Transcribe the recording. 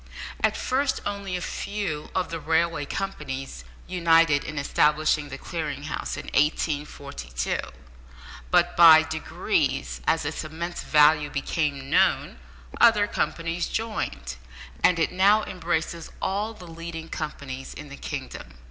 At first only a few of the railway companies united in establishing the Clearing House in 1842, but by degrees, as its immense value became known, other companies joined, and it now embraces all the leading companies in the kingdom.